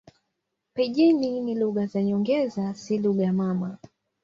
Pijini ni lugha za nyongeza, si lugha mama.